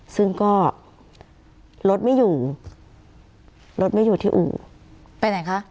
ซึ่งก็รถไม่อยู่ที่อู่ไปไหนคะ